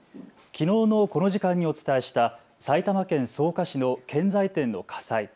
きのうのこの時間にお伝えした埼玉県草加市の建材店の火災。